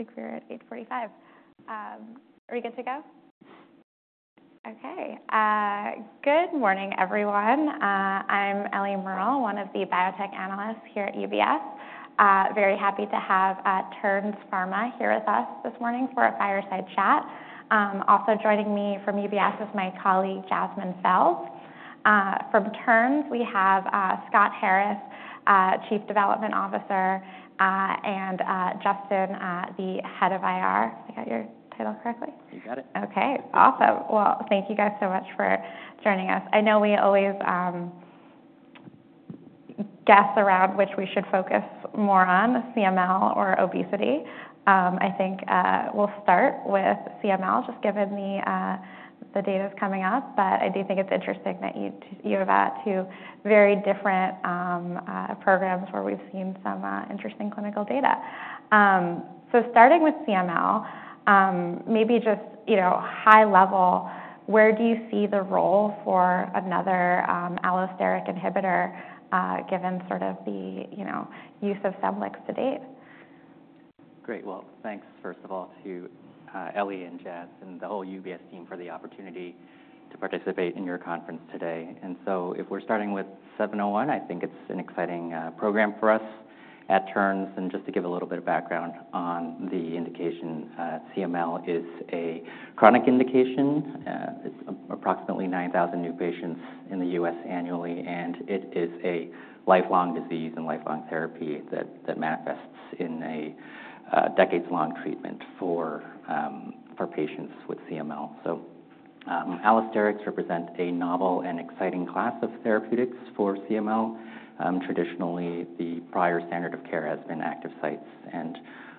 Okay, I think we're at 8:45 A.M. Are we good to go? Okay. Good morning, everyone. I'm Ellie Merle, one of the biotech analysts here at UBS. Very happy to have Terns Pharma here with us this morning for a fireside chat. Also joining me from UBS is my colleague, Jasmine Fels. From Terns, we have Scott Harris, Chief Development Officer, and Justin, the Head of IR. Did I get your title correctly? You got it. Okay, awesome. Well, thank you guys so much for joining us. I know we always guess around which we should focus more on, CML or obesity. I think we'll start with CML just given the data's coming up, but I do think it's interesting that you have got two very different programs where we've seen some interesting clinical data. So starting with CML, maybe just you know, high level, where do you see the role for another allosteric inhibitor, given sort of the you know, use of Scemblix to date? Great. Well, thanks first of all to Ellie and Jas and the whole UBS team for the opportunity to participate in your conference today. And so if we're starting with 701, I think it's an exciting program for us at Terns. And just to give a little bit of background on the indication, CML is a chronic indication. It's approximately 9,000 new patients in the U.S. annually, and it is a lifelong disease and lifelong therapy that manifests in a decades-long treatment for patients with CML. So, allosterics represent a novel and exciting class of therapeutics for CML. Traditionally, the prior standard of care has been active sites, and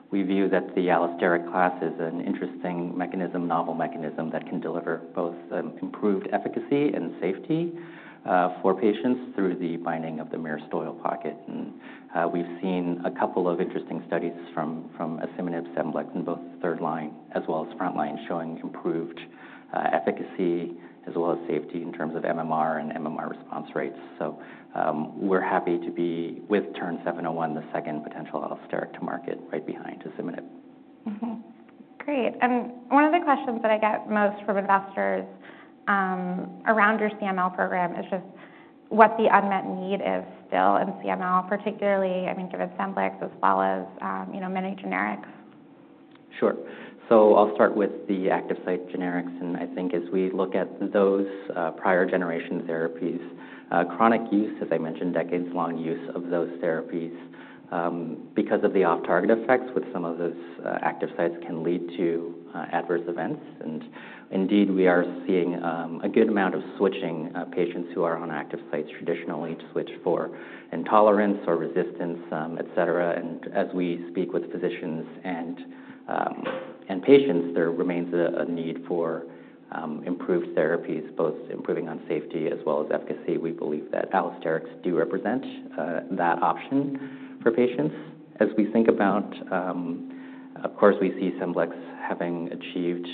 we view that the allosteric class is an interesting mechanism, novel mechanism that can deliver both improved efficacy and safety for patients through the binding of the myristoyl pocket. We've seen a couple of interesting studies from asciminib, Scemblix, and both third line as well as front line showing improved efficacy as well as safety in terms of MMR and MMR response rates. We're happy to be with TERN-701, the second potential allosteric to market right behind asciminib. Mm-hmm. Great. And one of the questions that I get most from investors, around your CML program is just what the unmet need is still in CML, particularly, I mean, given Scemblix as well as, you know, many generics. Sure. So I'll start with the active site generics. And I think as we look at those, prior generation therapies, chronic use, as I mentioned, decades-long use of those therapies, because of the off-target effects with some of those, active sites can lead to adverse events. And indeed, we are seeing a good amount of switching, patients who are on active sites traditionally to switch for intolerance or resistance, etc. And as we speak with physicians and patients, there remains a need for improved therapies, both improving on safety as well as efficacy. We believe that allosterics do represent that option for patients. As we think about, of course, we see Scemblix having achieved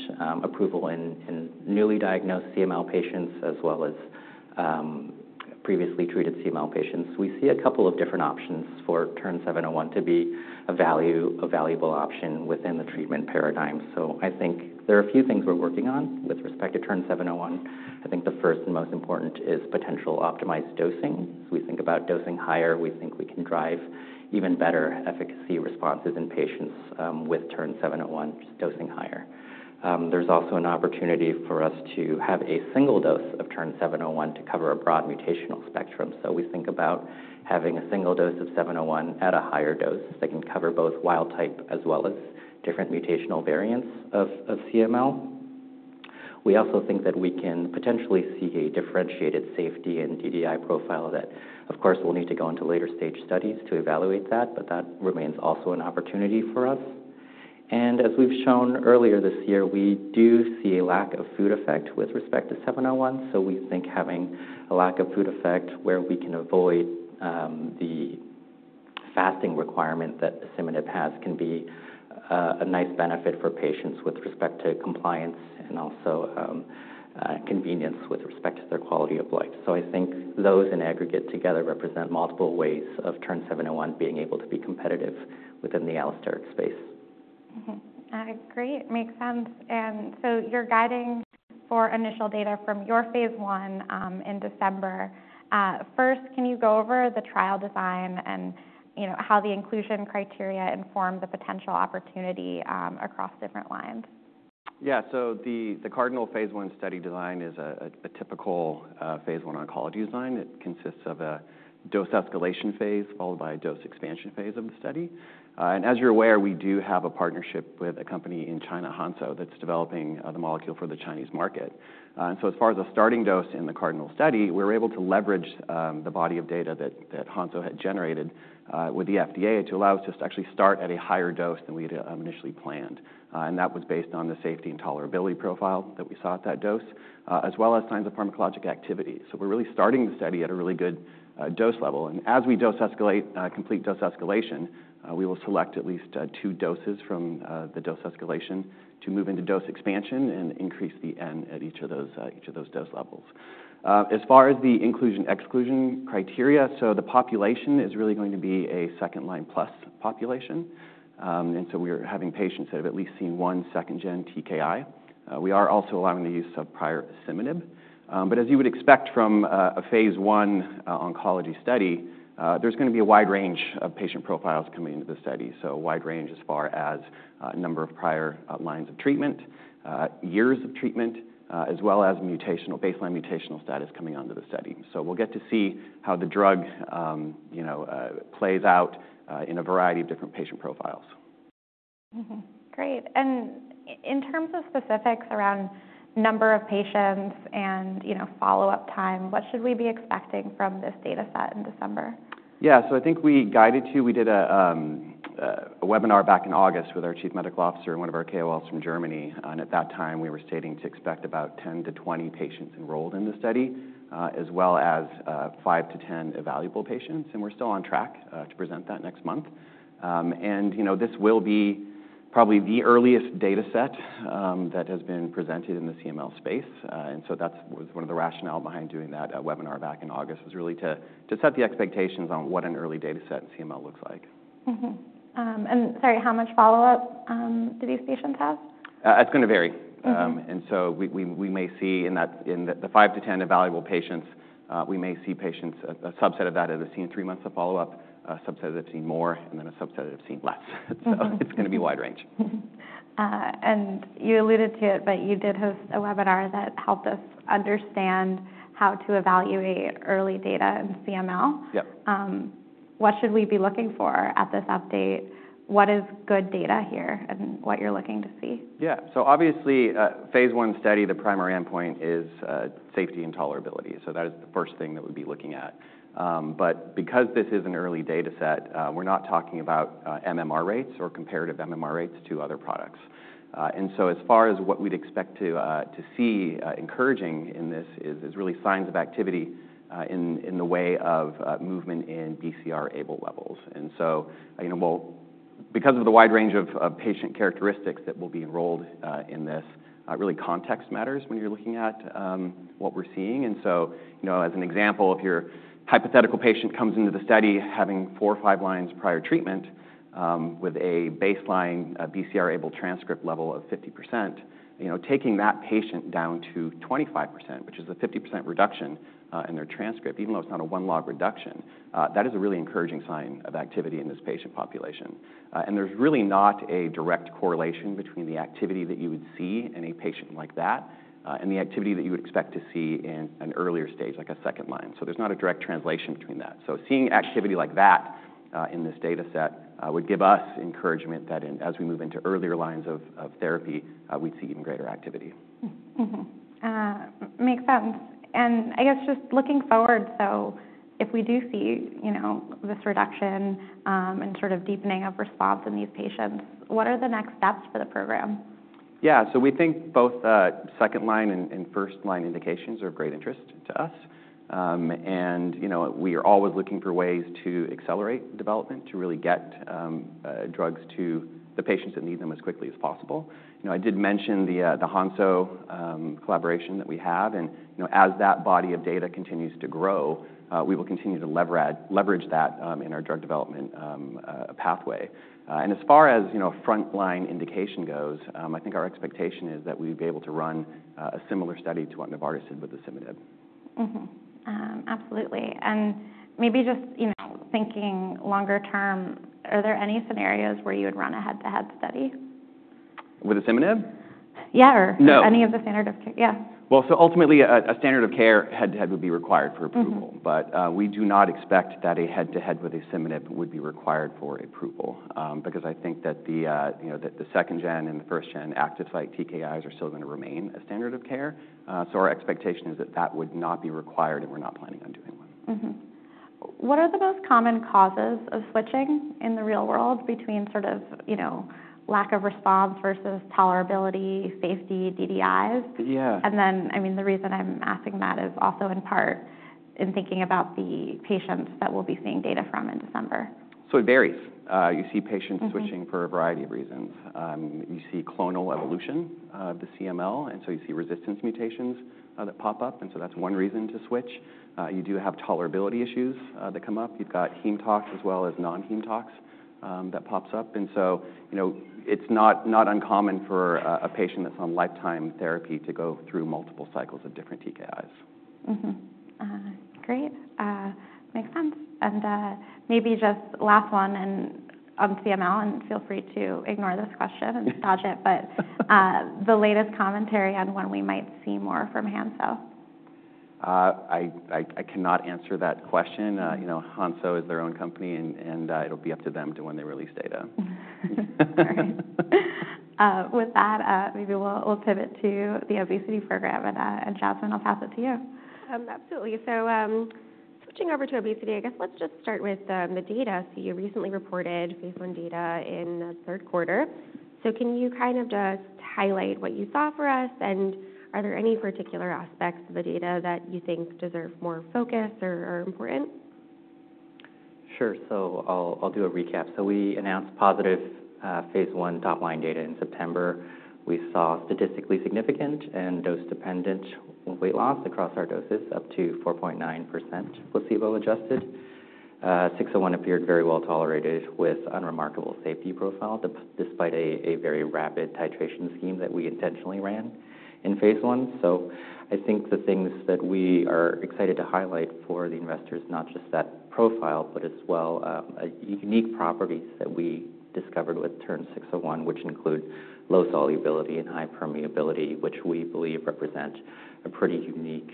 approval in newly diagnosed CML patients as well as previously treated CML patients. We see a couple of different options for TERN-701 to be a value, a valuable option within the treatment paradigm. So I think there are a few things we're working on with respect to TERN-701. I think the first and most important is potential optimized dosing. So we think about dosing higher. We think we can drive even better efficacy responses in patients, with TERN-701, dosing higher. There's also an opportunity for us to have a single dose of TERN-701 to cover a broad mutational spectrum. So we think about having a single dose of 701 at a higher dose that can cover both wild type as well as different mutational variants of CML. We also think that we can potentially see a differentiated safety and DDI profile that, of course, will need to go into later stage studies to evaluate that, but that remains also an opportunity for us. And as we've shown earlier this year, we do see a lack of food effect with respect to 701. So we think having a lack of food effect where we can avoid the fasting requirement that asciminib has can be a nice benefit for patients with respect to compliance and also convenience with respect to their quality of life. So I think those in aggregate together represent multiple ways of TERN-701 being able to be competitive within the allosteric space. Mm-hmm. Great. Makes sense. And so you're guiding for initial data from your phase I, in December. First, can you go over the trial design and, you know, how the inclusion criteria inform the potential opportunity, across different lines? Yeah. So the CARDINAL phase I study design is a typical phase I oncology design. It consists of a dose escalation phase followed by a dose expansion phase of the study, and as you're aware, we do have a partnership with a company in China, Hansoh, that's developing the molecule for the Chinese market, and so as far as a starting dose in the CARDINAL study, we were able to leverage the body of data that Hansoh had generated with the FDA to allow us to actually start at a higher dose than we had initially planned, and that was based on the safety and tolerability profile that we saw at that dose, as well as signs of pharmacologic activity, so we're really starting the study at a really good dose level. As we dose escalate and complete dose escalation, we will select at least two doses from the dose escalation to move into dose expansion and increase the N at each of those dose levels. As far as the inclusion/exclusion criteria, the population is really going to be a second-line plus population. We are having patients that have at least seen one second gen TKI. We are also allowing the use of prior asciminib. But as you would expect from a phase I oncology study, there's gonna be a wide range of patient profiles coming into the study. A wide range as far as number of prior lines of treatment, years of treatment, as well as baseline mutational status coming onto the study. We will get to see how the drug you know plays out in a variety of different patient profiles. Mm-hmm. Great. And in terms of specifics around number of patients and, you know, follow-up time, what should we be expecting from this data set in December? Yeah. So I think we guided to. We did a webinar back in August with our chief medical officer and one of our KOLs from Germany. And at that time, we were stating to expect about 10-20 patients enrolled in the study, as well as five to 10 evaluable patients. We're still on track to present that next month. You know, this will be probably the earliest data set that has been presented in the CML space. And so that was one of the rationale behind doing that webinar back in August was really to set the expectations on what an early data set in CML looks like. Mm-hmm, and sorry, how much follow-up do these patients have? It's gonna vary. Mm-hmm. And so we may see in the 5-10 evaluable patients, we may see patients, a subset of that that have seen three months of follow-up, a subset that have seen more, and then a subset that have seen less. So it's gonna be wide range. Mm-hmm, and you alluded to it, but you did host a webinar that helped us understand how to evaluate early data in CML. Yep. What should we be looking for at this update? What is good data here and what you're looking to see? So obviously the phase I study, the primary endpoint is safety and tolerability, so that is the first thing that we'd be looking at, but because this is an early data set, we're not talking about MMR rates or comparative MMR rates to other products, and so as far as what we'd expect to see encouraging in this is really signs of activity in the way of movement in BCR-ABL levels. And so you know we'll because of the wide range of patient characteristics that will be enrolled in this. Really context matters when you're looking at what we're seeing. And so, you know, as an example, if your hypothetical patient comes into the study having four or five lines prior treatment, with a baseline, BCR-ABL transcript level of 50%, you know, taking that patient down to 25%, which is a 50% reduction, in their transcript, even though it's not a one log reduction, that is a really encouraging sign of activity in this patient population. And there's really not a direct correlation between the activity that you would see in a patient like that, and the activity that you would expect to see in an earlier stage, like a second line. So there's not a direct translation between that. So seeing activity like that, in this data set, would give us encouragement that in, as we move into earlier lines of therapy, we'd see even greater activity. Makes sense. And I guess just looking forward, so if we do see, you know, this reduction, and sort of deepening of response in these patients, what are the next steps for the program? Yeah. So we think both second line and first line indications are of great interest to us. You know, we are always looking for ways to accelerate development to really get drugs to the patients that need them as quickly as possible. You know, I did mention the Hansoh collaboration that we have. You know, as that body of data continues to grow, we will continue to leverage that in our drug development pathway. You know, as far as front line indication goes, I think our expectation is that we'd be able to run a similar study to what Novartis did with asciminib. Mm-hmm. Absolutely. And maybe just, you know, thinking longer term, are there any scenarios where you would run a head-to-head study? With asciminib? Yeah, or. No. Any of the standard of care? Yeah. Ultimately, a standard of care head-to-head would be required for approval. Mm-hmm. But, we do not expect that a head-to-head with asciminib would be required for approval, because I think that the, you know, that the second gen and the first gen active site TKIs are still gonna remain a standard of care. So our expectation is that that would not be required and we're not planning on doing one. Mm-hmm. What are the most common causes of switching in the real world between sort of, you know, lack of response versus tolerability, safety, DDIs? Yeah. And then, I mean, the reason I'm asking that is also in part in thinking about the patients that we'll be seeing data from in December. So it varies. You see patients switching for a variety of reasons. You see clonal evolution of the CML, and so you see resistance mutations that pop up. And so that's one reason to switch. You do have tolerability issues that come up. You've got heme tox as well as non-heme tox that pops up. And so, you know, it's not, not uncommon for a patient that's on lifetime therapy to go through multiple cycles of different TKIs. Mm-hmm. Great. Makes sense. And, maybe just last one on CML, and feel free to ignore this question and dodge it, but the latest commentary on when we might see more from Hansoh? I cannot answer that question, you know. Hansoh is their own company and it'll be up to them to when they release data. Mm-hmm. Sorry, with that, maybe we'll pivot to the obesity program and Jasmine, I'll pass it to you. Absolutely. So, switching over to obesity, I guess let's just start with the data. So you recently reported phase I data in the third quarter. So can you kind of just highlight what you saw for us? And are there any particular aspects of the data that you think deserve more focus or are important? Sure, so I'll do a recap, so we announced positive phase I topline data in September. We saw statistically significant and dose-dependent weight loss across our doses up to 4.9% placebo-adjusted. TERN-601 appeared very well tolerated with unremarkable safety profile despite a very rapid titration scheme that we intentionally ran in phase I, so I think the things that we are excited to highlight for the investors, not just that profile, but as well, unique properties that we discovered with TERN-601, which include low solubility and high permeability, which we believe represent a pretty unique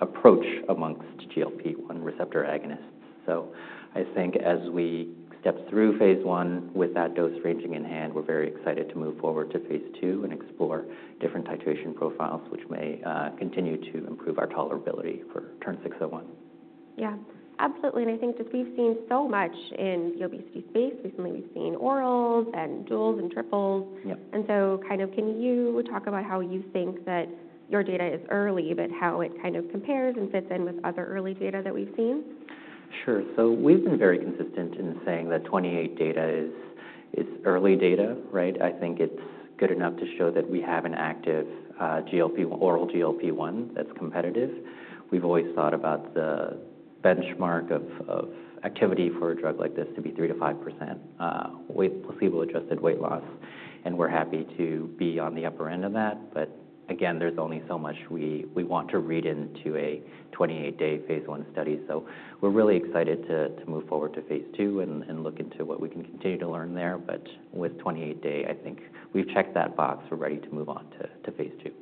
approach amongst GLP-1 receptor agonists, so I think as we step through phase I with that dose ranging in hand, we're very excited to move forward to phase II and explore different titration profiles, which may continue to improve our tolerability for TERN-601. Yeah. Absolutely, and I think just we've seen so much in the obesity space. Recently, we've seen orals and duals and triples. Yep. And so kind of can you talk about how you think that your data is early, but how it kind of compares and fits in with other early data that we've seen? Sure. So we've been very consistent in saying that 28-day data is early data, right? I think it's good enough to show that we have an active GLP-1 oral GLP-1 that's competitive. We've always thought about the benchmark of activity for a drug like this to be 3%-5% with placebo-adjusted weight loss. And we're happy to be on the upper end of that. But again, there's only so much we want to read into a 28-day phase I study. So we're really excited to move forward to phase II and look into what we can continue to learn there. But with 28-day, I think we've checked that box. We're ready to move on to phase II.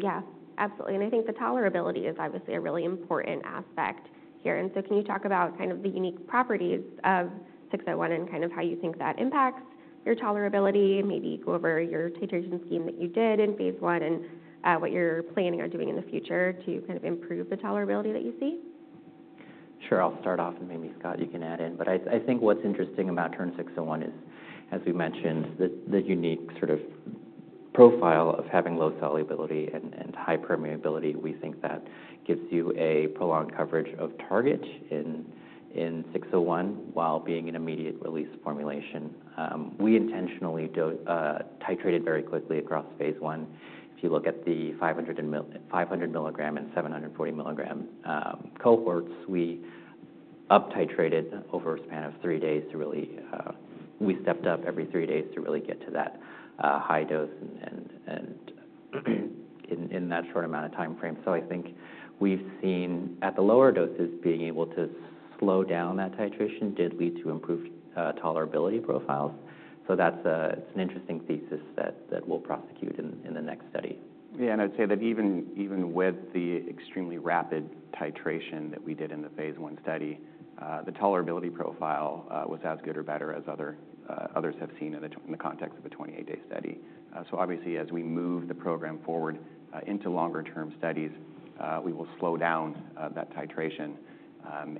Yeah. Absolutely. And I think the tolerability is obviously a really important aspect here. And so can you talk about kind of the unique properties of 601 and kind of how you think that impacts your tolerability, maybe go over your titration scheme that you did in phase I and, what you're planning on doing in the future to kind of improve the tolerability that you see? Sure. I'll start off, and maybe Scott, you can add in. But I think what's interesting about TERN-601 is, as we mentioned, the unique sort of profile of having low solubility and high permeability. We think that gives you a prolonged coverage of target in 601 while being an immediate release formulation. We intentionally titrated very quickly across phase I. If you look at the 500 mg and 740 mg cohorts, we up-titrated over a span of three days to really, we stepped up every three days to really get to that high dose and in that short amount of timeframe. So I think we've seen at the lower doses, being able to slow down that titration did lead to improved tolerability profiles. So that's an interesting thesis that we'll prosecute in the next study. Yeah. And I'd say that even with the extremely rapid titration that we did in the phase I study, the tolerability profile was as good or better as others have seen in the context of a 28-day study, so obviously, as we move the program forward into longer-term studies, we will slow down that titration,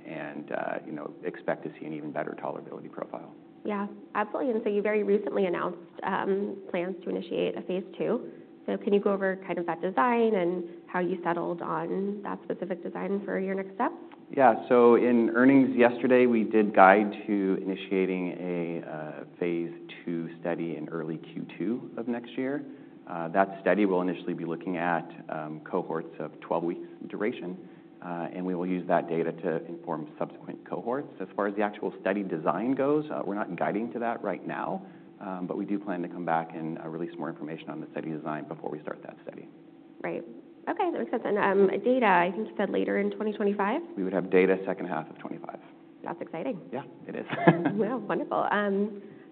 and you know, expect to see an even better tolerability profile. Yeah. Absolutely. And so you very recently announced plans to initiate a phase II. So can you go over kind of that design and how you settled on that specific design for your next step? Yeah, so in earnings yesterday, we did guide to initiating a phase II study in early Q2 of next year. That study will initially be looking at cohorts of 12 weeks duration, and we will use that data to inform subsequent cohorts. As far as the actual study design goes, we're not guiding to that right now, but we do plan to come back and release more information on the study design before we start that study. Right. Okay. That makes sense. And, data, I think you said later in 2025? We would have data second half of 2025. That's exciting. Yeah, it is. Wonderful. I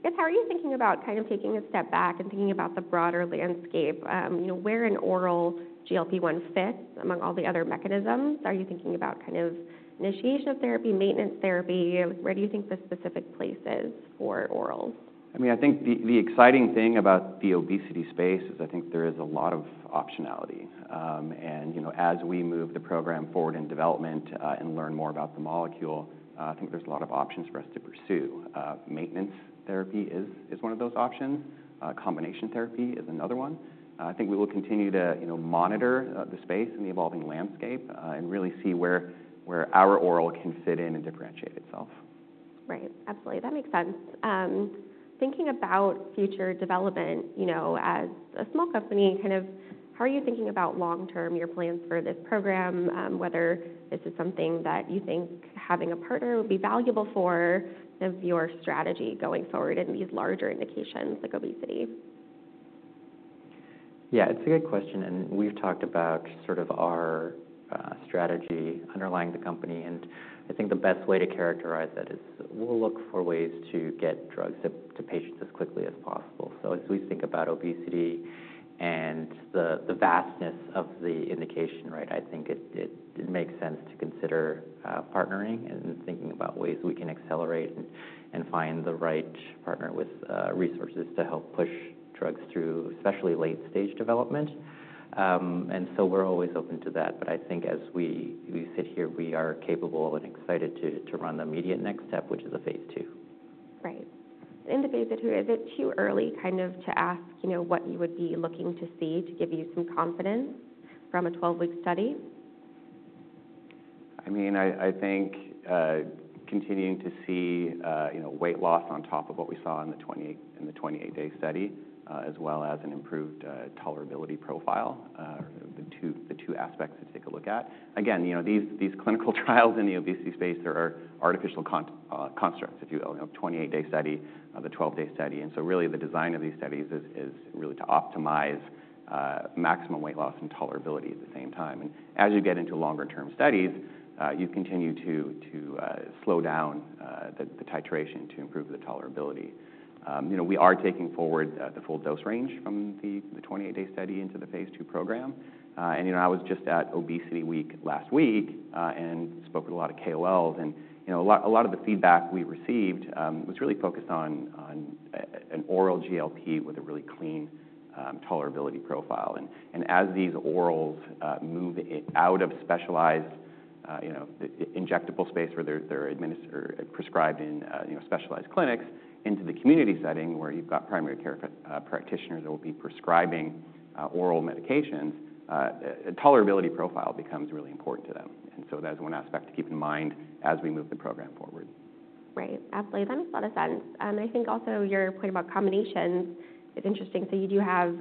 guess how are you thinking about kind of taking a step back and thinking about the broader landscape, you know, where an oral GLP-1 fits among all the other mechanisms? Are you thinking about kind of initiation of therapy, maintenance therapy? Where do you think the specific place is for orals? I mean, I think the exciting thing about the obesity space is I think there is a lot of optionality, and you know, as we move the program forward in development, and learn more about the molecule, I think there's a lot of options for us to pursue. Maintenance therapy is one of those options. Combination therapy is another one. I think we will continue to you know monitor the space and the evolving landscape, and really see where our oral can fit in and differentiate itself. Right. Absolutely. That makes sense. Thinking about future development, you know, as a small company, kind of how are you thinking about long-term your plans for this program, whether this is something that you think having a partner would be valuable for of your strategy going forward in these larger indications like obesity? Yeah, it's a good question. We've talked about our strategy underlying the company. I think the best way to characterize that is we'll look for ways to get drugs to patients as quickly as possible. As we think about obesity and the vastness of the indication, right, I think it makes sense to consider partnering and thinking about ways we can accelerate and find the right partner with resources to help push drugs through, especially late-stage development. We're always open to that. But I think as we sit here, we are capable and excited to run the immediate next step, which is a phase II. Right. In the phase II, is it too early kind of to ask, you know, what you would be looking to see to give you some confidence from a 12-week study? I mean, I think continuing to see, you know, weight loss on top of what we saw in the 28-day study, as well as an improved tolerability profile, the two aspects to take a look at. Again, you know, these clinical trials in the obesity space, there are artificial constructs, if you will, you know, 28-day study, the 12-day study. And so really the design of these studies is really to optimize maximum weight loss and tolerability at the same time. And as you get into longer-term studies, you continue to slow down the titration to improve the tolerability. You know, we are taking forward the full dose range from the 28-day study into the phase II program. And you know, I was just at ObesityWeek last week and spoke with a lot of KOLs. You know, a lot, a lot of the feedback we received was really focused on an oral GLP with a really clean tolerability profile. As these orals move it out of specialized, you know, the injectable space where they're administered, prescribed in, you know, specialized clinics into the community setting where you've got primary care practitioners that will be prescribing oral medications, tolerability profile becomes really important to them. And so that is one aspect to keep in mind as we move the program forward. Right. Absolutely. That makes a lot of sense. I think also your point about combinations is interesting. So you do have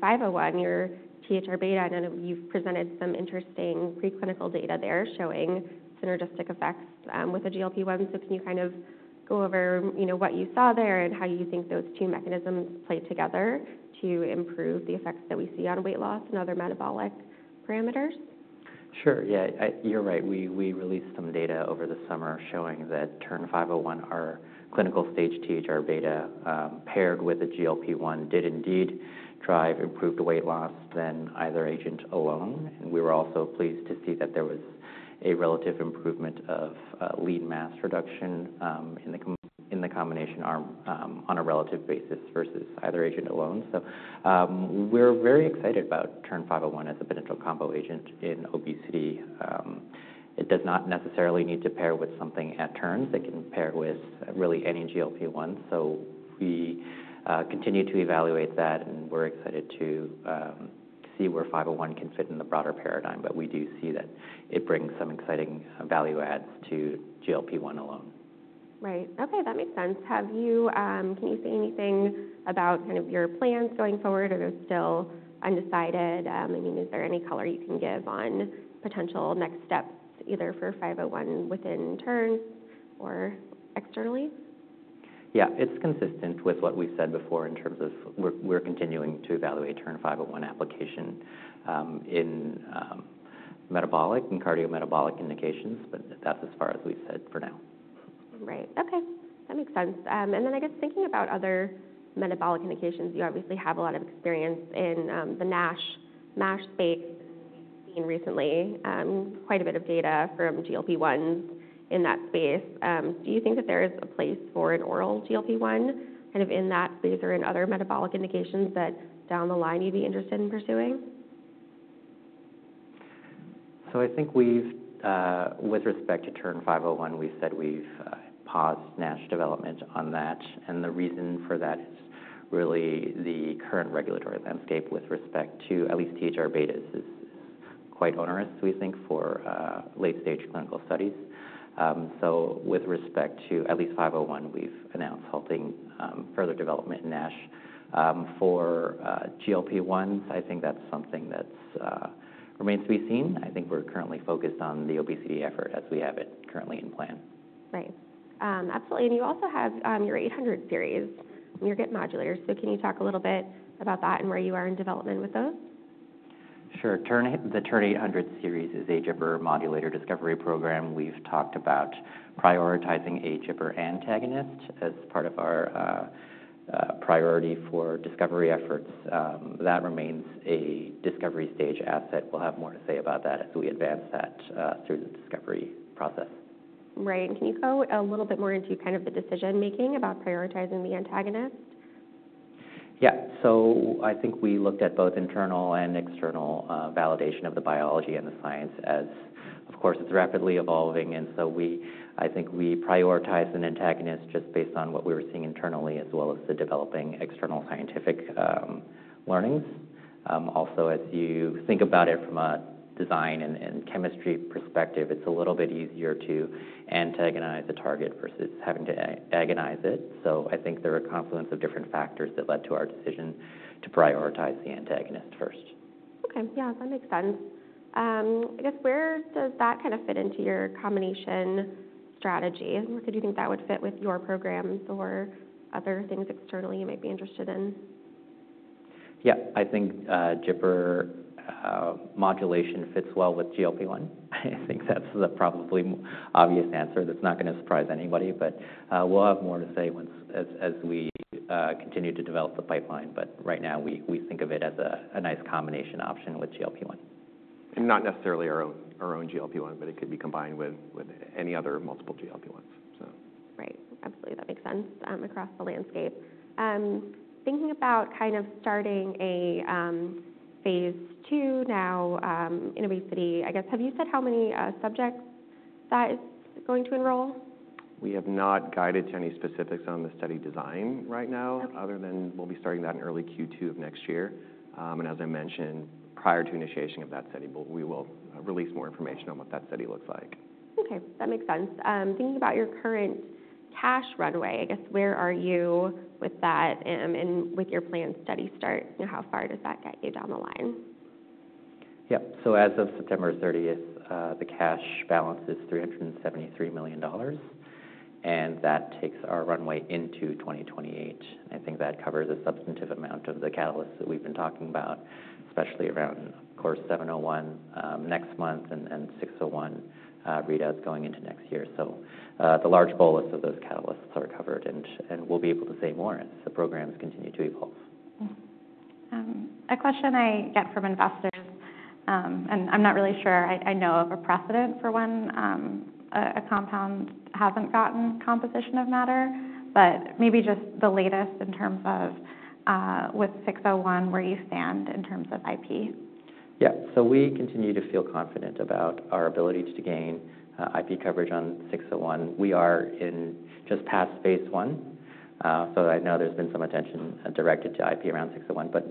501, your THR-β, and then you've presented some interesting preclinical data there showing synergistic effects with the GLP-1. So can you kind of go over, you know, what you saw there and how you think those two mechanisms play together to improve the effects that we see on weight loss and other metabolic parameters? Sure. Yeah, you're right. We released some data over the summer showing that TERN-501, our clinical stage THR-β, paired with the GLP-1 did indeed drive improved weight loss than either agent alone. And we were also pleased to see that there was a relative improvement of lean mass reduction in the combination arm, on a relative basis versus either agent alone. So, we're very excited about TERN-501 as a potential combo agent in obesity. It does not necessarily need to pair with something at Terns. It can pair with really any GLP-1. So we continue to evaluate that, and we're excited to see where 501 can fit in the broader paradigm. But we do see that it brings some exciting value adds to GLP-1 alone. Right. Okay. That makes sense. Have you, can you say anything about kind of your plans going forward? Are those still undecided? I mean, is there any color you can give on potential next steps either for 501 within Terns or externally? Yeah. It's consistent with what we've said before in terms of we're continuing to evaluate TERN-501 application in metabolic and cardiometabolic indications. But that's as far as we've said for now. Right. Okay. That makes sense. And then I guess thinking about other metabolic indications, you obviously have a lot of experience in the NASH, MASH space seen recently, quite a bit of data from GLP-1s in that space. Do you think that there is a place for an oral GLP-1 kind of in that space or in other metabolic indications that down the line you'd be interested in pursuing? So I think we've, with respect to TERN-501, we've said we've paused NASH development on that, and the reason for that is really the current regulatory landscape with respect to at least THR-βs is quite onerous, we think, for late-stage clinical studies. So with respect to at least 501, we've announced halting further development in NASH for GLP-1s. I think that's something that remains to be seen. I think we're currently focused on the obesity effort as we have it currently in plan. Right. Absolutely. And you also have your 800 series, your GIP modulators. So can you talk a little bit about that and where you are in development with those? Sure. Terns, the TERN-800 series is a GIPR modulator discovery program. We've talked about prioritizing a GIPR antagonist as part of our priority for discovery efforts. That remains a discovery stage asset. We'll have more to say about that as we advance that through the discovery process. Right. And can you go a little bit more into kind of the decision-making about prioritizing the antagonist? Yeah. So I think we looked at both internal and external validation of the biology and the science, as of course it's rapidly evolving. And so we, I think we prioritized an antagonist just based on what we were seeing internally as well as the developing external scientific learnings. Also, as you think about it from a design and chemistry perspective, it's a little bit easier to antagonize the target versus having to agonize it. So I think there are confluence of different factors that led to our decision to prioritize the antagonist first. Okay. Yeah. That makes sense. I guess where does that kind of fit into your combination strategy? And where could you think that would fit with your programs or other things externally you might be interested in? Yeah. I think GIPR modulation fits well with GLP-1. I think that's the probably obvious answer. That's not going to surprise anybody. But we'll have more to say once we continue to develop the pipeline. But right now we think of it as a nice combination option with GLP-1. And not necessarily our own GLP-1, but it could be combined with any other multiple GLP-1s, so. Right. Absolutely. That makes sense across the landscape. Thinking about kind of starting a phase II now in obesity, I guess, have you said how many subjects that is going to enroll? We have not guided to any specifics on the study design right now, other than we'll be starting that in early Q2 of next year, and as I mentioned, prior to initiation of that study, we will release more information on what that study looks like. Okay. That makes sense. Thinking about your current cash runway, I guess, where are you with that, and with your planned study start? You know, how far does that get you down the line? Yeah. So as of September 30th, the cash balance is $373 million. And that takes our runway into 2028. And I think that covers a substantive amount of the catalysts that we've been talking about, especially around, of course, 701 next month and 601 INDs going into next year. So the large bolus of those catalysts are covered, and we'll be able to say more as the programs continue to evolve. A question I get from investors, and I'm not really sure I know of a precedent for when a compound hasn't gotten composition of matter, but maybe just the latest in terms of, with 601, where you stand in terms of IP. Yeah. So we continue to feel confident about our ability to gain IP coverage on 601. We are just past phase I. So I know there's been some attention directed to IP around 601. But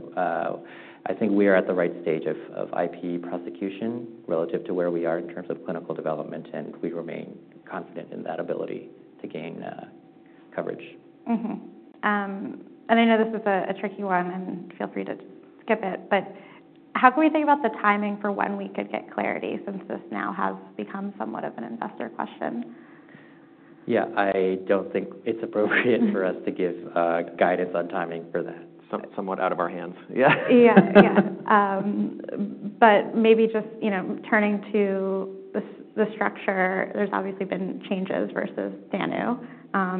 I think we are at the right stage of IP prosecution relative to where we are in terms of clinical development. And we remain confident in that ability to gain coverage. Mm-hmm. I know this is a tricky one, and feel free to skip it. But how can we think about the timing for when we could get clarity, since this now has become somewhat of an investor question? Yeah. I don't think it's appropriate for us to give guidance on timing for that. Somewhat out of our hands. Yeah. Yeah. Yeah. But maybe just, you know, turning to the structure, there's obviously been changes versus danu,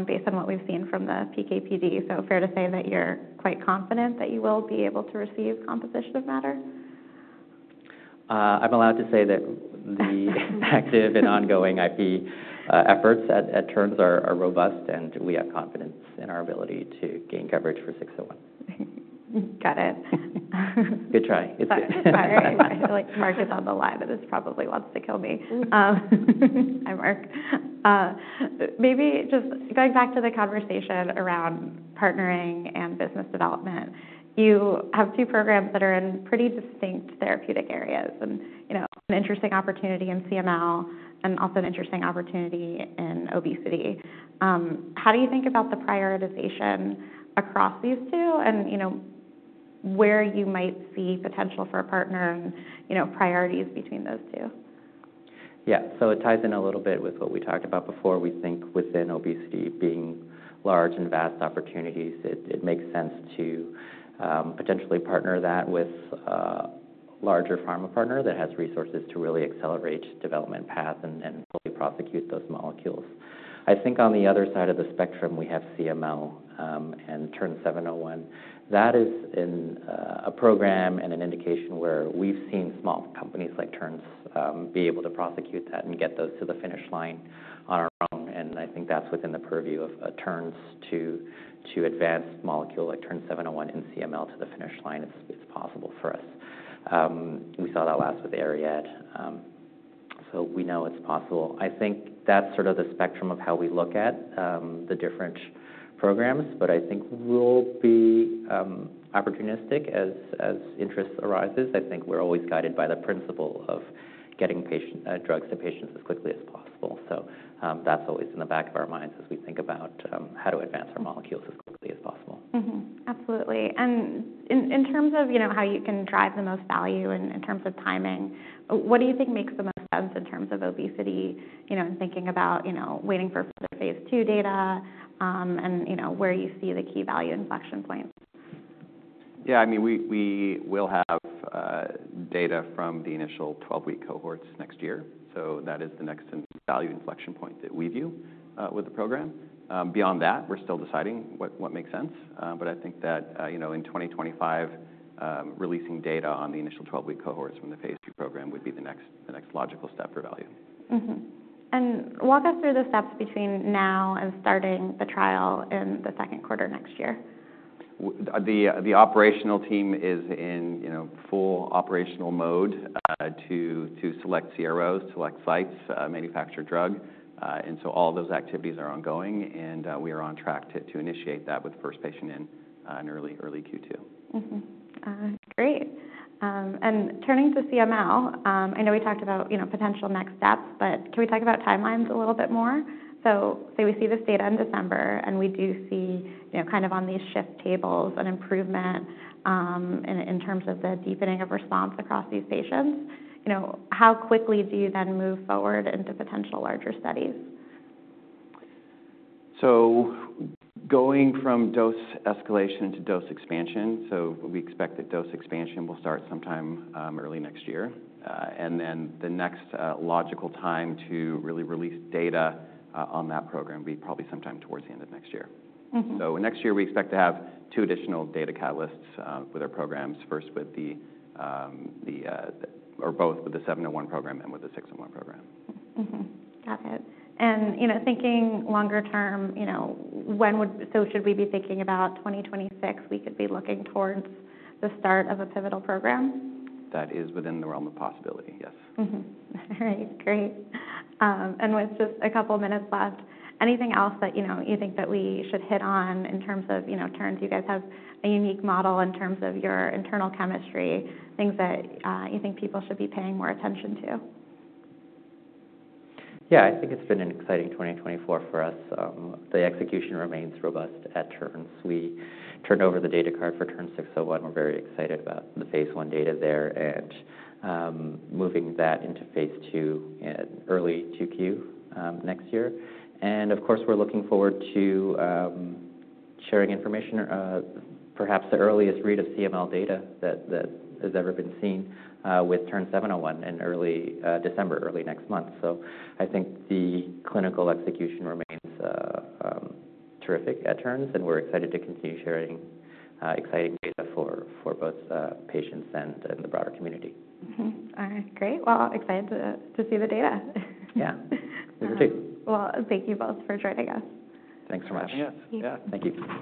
based on what we've seen from the PK/PD. So fair to say that you're quite confident that you will be able to receive composition of matter? I'm allowed to say that the active and ongoing IP efforts at Terns are robust, and we have confidence in our ability to gain coverage for 601. Got it. Good try. It's good. Sorry. I feel like Mark is on the line that is probably wants to kill me. Hi, Mark. Maybe just going back to the conversation around partnering and business development, you have two programs that are in pretty distinct therapeutic areas, and you know, an interesting opportunity in CML and also an interesting opportunity in obesity. How do you think about the prioritization across these two and, you know, where you might see potential for a partner and, you know, priorities between those two? Yeah. So it ties in a little bit with what we talked about before. We think within obesity being large and vast opportunities, it makes sense to potentially partner that with a larger pharma partner that has resources to really accelerate development path and fully prosecute those molecules. I think on the other side of the spectrum, we have CML and TERN-701. That is a program and an indication where we've seen small companies like Terns be able to prosecute that and get those to the finish line on our own. And I think that's within the purview of Terns to advance a molecule like TERN-701 and CML to the finish line. It's possible for us. We saw that last with Ariad, so we know it's possible. I think that's sort of the spectrum of how we look at the different programs. But I think we'll be opportunistic as interest arises. I think we're always guided by the principle of getting patients drugs to patients as quickly as possible. So that's always in the back of our minds as we think about how to advance our molecules as quickly as possible. Mm-hmm. Absolutely. And in terms of, you know, how you can drive the most value and in terms of timing, what do you think makes the most sense in terms of obesity, you know, in thinking about, you know, waiting for further phase II data, and, you know, where you see the key value inflection points? Yeah. I mean, we will have data from the initial 12-week cohorts next year. So that is the next value inflection point that we view with the program. Beyond that, we're still deciding what makes sense. But I think that, you know, in 2025, releasing data on the initial 12-week cohorts from the phase II program would be the next logical step for value. Mm-hmm. And walk us through the steps between now and starting the trial in the second quarter next year? The operational team is in, you know, full operational mode, to select CROs, select sites, manufacture drug. So all of those activities are ongoing. We are on track to initiate that with first patient in early Q2. Mm-hmm. Great, and turning to CML, I know we talked about, you know, potential next steps, but can we talk about timelines a little bit more? So say we see this data in December, and we do see, you know, kind of on these shift tables an improvement, in terms of the deepening of response across these patients. You know, how quickly do you then move forward into potential larger studies? Going from dose escalation to dose expansion, so we expect that dose expansion will start sometime early next year, and then the next logical time to really release data on that program would be probably sometime towards the end of next year. Mm-hmm. So next year, we expect to have two additional data catalysts with our programs, first with the or both with the 701 program and with the 601 program. Mm-hmm. Got it. And, you know, thinking longer term, you know, should we be thinking about 2026, we could be looking towards the start of a pivotal program? That is within the realm of possibility. Yes. Mm-hmm. All right. Great. And with just a couple of minutes left, anything else that, you know, you think that we should hit on in terms of, you know, Terns? You guys have a unique model in terms of your internal chemistry, things that, you think people should be paying more attention to. Yeah. I think it's been an exciting 2024 for us. The execution remains robust at Terns. We turned over the data card for TERN-601. We're very excited about the phase I data there and moving that into phase II in early Q2 next year. And of course, we're looking forward to sharing information, perhaps the earliest readout CML data that has ever been seen with TERN-701 in early December, early next month. So I think the clinical execution remains terrific at Terns. And we're excited to continue sharing exciting data for both patients and the broader community. Mm-hmm. All right. Great. Well, excited to see the data. Yeah. We will too. Thank you both for joining us. Thanks so much. Yes. Yeah. Thank you.